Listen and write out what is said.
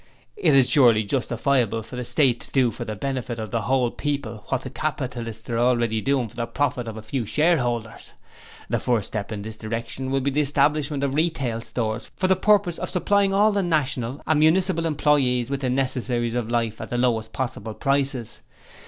It is surely justifiable for the State to do for the benefit of the whole people that which the capitalists are already doing for the profit of a few shareholders. The first step in this direction will be the establishment of Retail Stores for the purpose of supplying all national and municipal employees with the necessaries of life at the lowest possible prices.